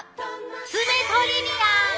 爪トリビア！